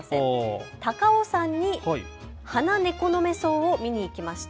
高尾山にハナネコノメソウを見に行きました。